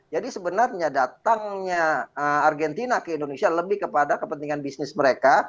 jadi sebenarnya datangnya argentina ke indonesia lebih kepada kepentingan bisnis mereka